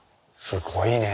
すごいね。